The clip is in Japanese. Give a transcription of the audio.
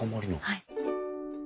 はい。